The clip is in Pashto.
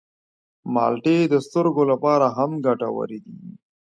مالټې د سترګو لپاره هم ګټورې دي.